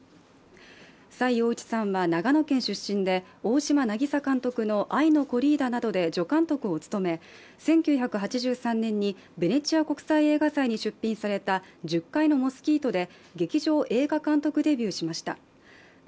崔洋一さんは長野県出身で大島渚監督の「愛のコリーダ」などで助監督を務め１９８３年にベネチア国際映画祭に出品された「十階のモスキート」で劇場映画監督デビューしました。